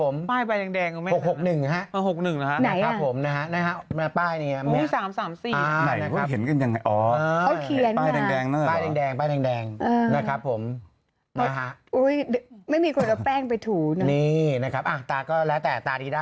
มันเหมือนเป็นตามันเนอะกลางแต่งแม่งนะครับอืมแปลกมากเลย